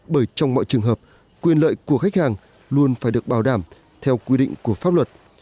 bởi trong mọi trường hợp quyền lợi của khách hàng luôn phải được bảo đảm theo quy định của pháp luật